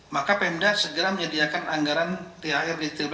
maka pemda segera menyediakan anggaran thr di tiga belas